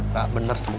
gak benar kum